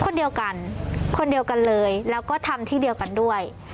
คนเดียวกันคนเดียวกันเลยแล้วก็ทำที่เดียวกันด้วย